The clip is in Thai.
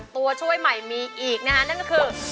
ตัวช่วยใหม่มีอีกนะฮะนั่นก็คือ